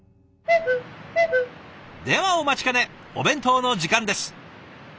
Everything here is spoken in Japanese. ではお待ちかねお弁当の時間です。